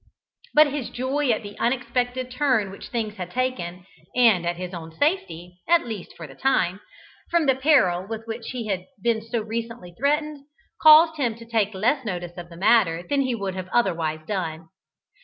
But his joy at the unexpected turn which things had taken, and at his own safety, at least for the time, from the peril with which he had been so recently threatened, caused him to take less notice of the matter than he would otherwise have done.